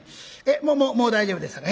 「もうもう大丈夫ですさかい。